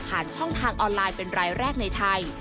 ช่องทางออนไลน์เป็นรายแรกในไทย